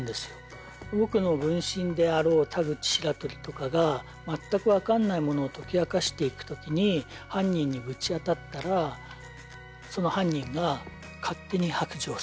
僕の分身であろう田口白鳥とかがまったく分かんないものを解き明かしていくときに犯人にぶち当たったらその犯人が勝手に白状するみたいな。